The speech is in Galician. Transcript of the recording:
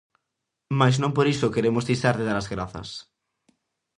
Mais non por iso queremos deixar de dar as grazas.